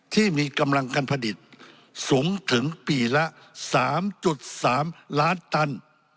ที่มีกำลังการผลิตสูงถึงปีละ๓๓ล้านตัน